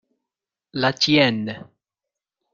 La tienne.